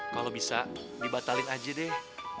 kalau bisa dibatalin aja deh